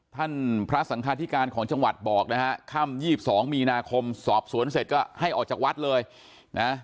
ท่านพระสังคาธิการของจังหวัดบอกนะฮะค่ำ๒๒มีนาคมสอบสวนเสร็จก็ให้ออกจากวัดเลยนะ